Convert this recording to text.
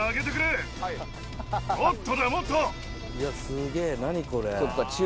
すげぇ何これ。